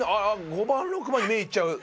５番６番に目行っちゃう。